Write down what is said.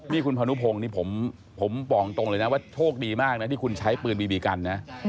นี่คุณพนุพงศ์นี่ผมบอกตรงเลยนะว่าโชคดีมากนะที่คุณใช้ปืนบีบีกันนะ